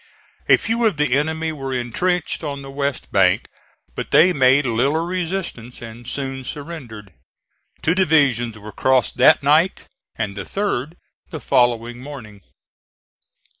A few of the enemy were intrenched on the west bank, but they made little resistance and soon surrendered. Two divisions were crossed that night and the third the following morning.